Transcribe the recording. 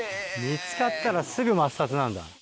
見つかったらすぐ抹殺なんだ。